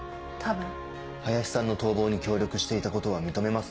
多分林さんの逃亡に協力していたことは認め